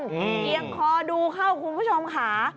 เอียงคอดูเข้าคุณผู้ชมค่ะ